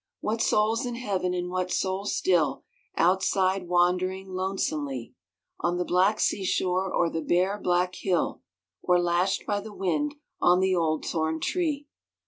What soul's in Heaven, and what soul still Outside, wandering lonesomely On the bleak seashore or the bare black hill Or lashed by the wind in the old thorn tree